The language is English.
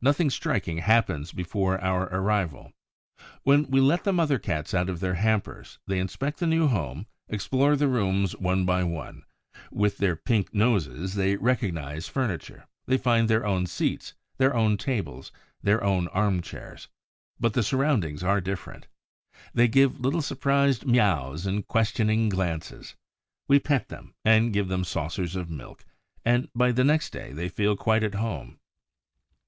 Nothing striking happens before our arrival. When we let the mother Cats out of their hampers, they inspect the new home, explore the rooms one by one; with their pink noses they recognize the furniture: they find their own seats, their own tables, their own armchairs; but the surroundings are different. They give little surprised miaows and questioning glances. We pet them and give them saucers of milk, and by the next day they feel quite at home.